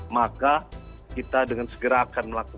maka kita dengan segera akan melakukan